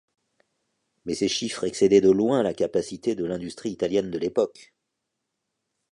Mais ces chiffres excédaient de loin la capacité de l'industrie italienne de l'époque.